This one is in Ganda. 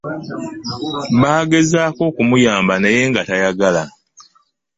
Baagezaako okumuyamba naye nga tayagala.